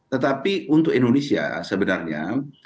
tetapi untuk indonesia sebenarnya